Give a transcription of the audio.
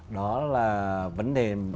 đó là vấn đề